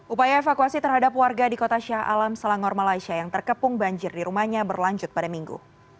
upaya evakuasi terhadap warga di kota syah alam selangor malaysia yang terkepung banjir di rumahnya berlanjut pada minggu